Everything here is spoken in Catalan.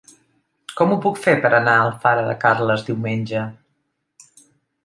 Com ho puc fer per anar a Alfara de Carles diumenge?